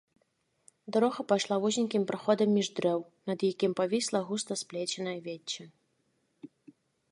Дарога пайшла вузенькім праходам між дрэў, над якім павісла густа сплеценае вецце.